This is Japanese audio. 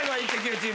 チーム」